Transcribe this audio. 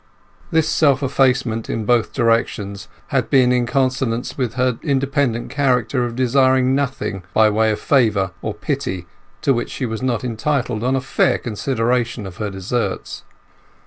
This self effacement in both directions had been quite in consonance with her independent character of desiring nothing by way of favour or pity to which she was not entitled on a fair consideration of her deserts.